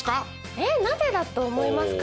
えっなぜだと思いますか？